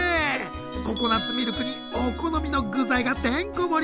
ココナツミルクにお好みの具材がてんこ盛り！